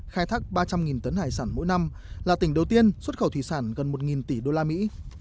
khai thác ba trăm linh tấn hải sản mỗi năm là tỉnh đầu tiên xuất khẩu thủy sản gần một tỷ đô la mỹ